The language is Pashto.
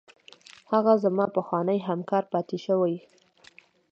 هغه زما پخوانی همکار پاتې شوی.